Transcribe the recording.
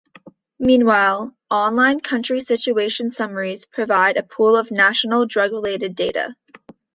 Meanwhile, online country situation summaries provide a pool of national drug-related data.